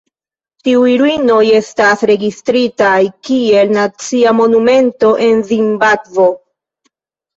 Tiuj ruinoj estas registritaj kiel nacia monumento en Zimbabvo.